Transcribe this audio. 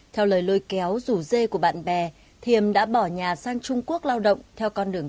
theo lời lôi kéo rủ dê của bạn bè thiềm đã bỏ nhà sang trung quốc lao động